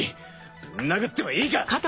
ぶん殴ってもいいか！